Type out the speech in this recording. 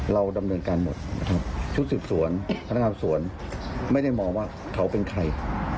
เราดำเนินการหมดนะครับชุดสืบสวนพนักงานสวนไม่ได้มองว่าเขาเป็นใคร